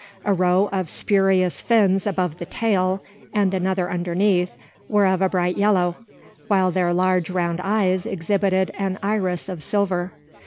A row of spurious fins above the tail, and another underneath, were of a bright yellow; while their large round eyes exhibited an iris of silver.